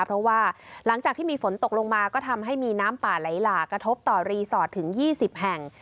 เพราะว่าหลังจากที่มีฝนตกลงมาก็ทำให้มีน้ำป่าไหลหลากกระทบต่อรีสอร์ทถึง๒๐แห่ง